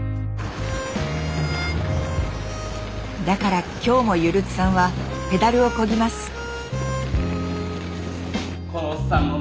だから今日もゆるつさんはペダルをこぎます。